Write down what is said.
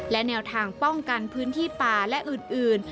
และแนวทางป้องกันพื้นที่ป่าและอื่น